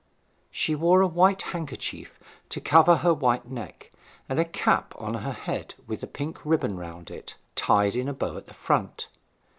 She wore a white handkerchief to cover her white neck, and a cap on her head with a pink ribbon round it, tied in a bow at the front.